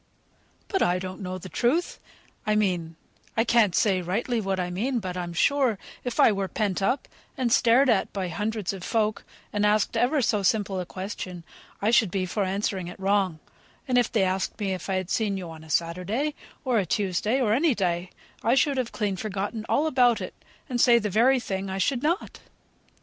"But I don't know the truth; I mean I can't say rightly what I mean; but I'm sure, if I were pent up, and stared at by hundreds of folk, and asked ever so simple a question, I should be for answering it wrong; if they asked me if I had seen you on a Saturday, or a Tuesday, or any day, I should have clean forgotten all about it, and say the very thing I should not."